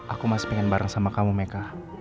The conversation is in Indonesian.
aku masih pengen bareng sama kamu meka